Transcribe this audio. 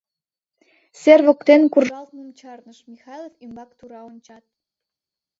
Сер воктен куржталмым чарныш, Михайлов ӱмбак тура ончат: